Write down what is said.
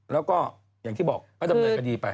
แล้วก็อย่างที่บอกก็ดำเนินคดีไป